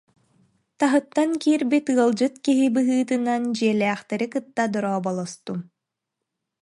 таһыттан киирбит ыалдьыт киһи быһыытынан дьиэлээхтэри кытта дорооболостум